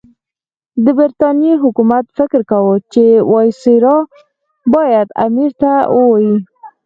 د برټانیې حکومت فکر کاوه چې وایسرا باید امیر ته ووايي.